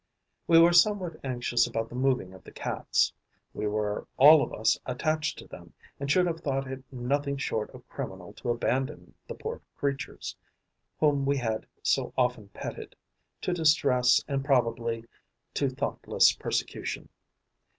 We were somewhat anxious about the moving of the Cats. We were all of us attached to them and should have thought it nothing short of criminal to abandon the poor creatures, whom we had so often petted, to distress and probably to thoughtless persecution.